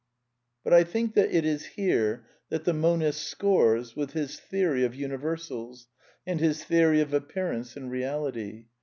But I think that it is here that the monist scores with his theory of universals and his theory of appearance and reality.